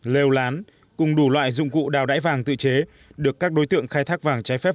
lêu lán cùng đủ loại dụng cụ đào đáy vàng tự chế được các đối tượng khai thác vàng trái phép